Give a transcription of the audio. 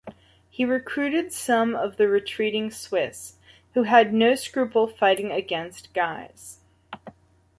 He recruited some of the retreating Swiss, who had no scruple fighting against Guise.